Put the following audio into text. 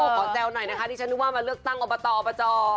โอ้โหขอแจ้วหน่อยนะคะที่ฉันนึกว่ามันเลือกตั้งอบตประจอบ